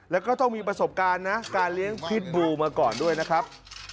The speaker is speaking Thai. แล้วก็ต้องมีประสบการณ์นะการเลี้ยงพิษบูมาก่อนด้วยนะครับ